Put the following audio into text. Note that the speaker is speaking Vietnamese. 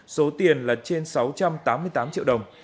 số tiền là trên sáu trăm tám mươi tám triệu đồng